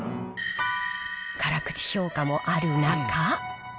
辛口評価もある中。